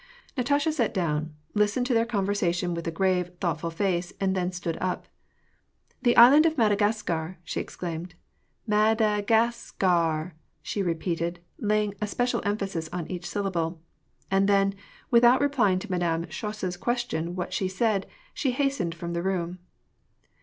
Natasha sat down, listened to their conversation with a grave, thoughtful face, and then stood up. "The Island of Madagascar !" she exclaimed. '^Mardargas car," she repeated, laying a special emphasis on each syllable ; and then, without replying to Madame Schoss's question what she said, she hastened from the room.